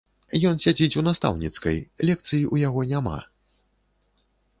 Ён сядзіць у настаўніцкай, лекцый у яго няма.